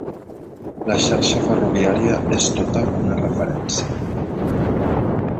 La xarxa ferroviària és tota una referència.